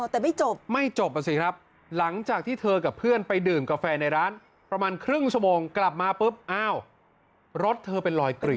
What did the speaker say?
แต่ไม่จบไม่จบอ่ะสิครับหลังจากที่เธอกับเพื่อนไปดื่มกาแฟในร้านประมาณครึ่งชั่วโมงกลับมาปุ๊บอ้าวรถเธอเป็นรอยกรีด